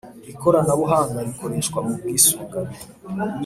Ikoranabuhanga rikoreshwa mu bwisungane